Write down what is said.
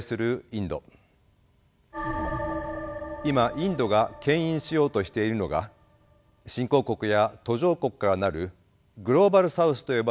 今インドがけん引しようとしているのが新興国や途上国から成るグローバル・サウスと呼ばれる国々です。